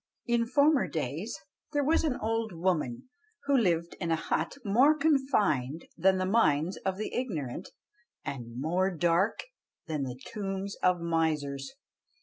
In former days there was an old woman, who lived in a hut more confined than the minds of the ignorant, and more dark than the tombs of misers.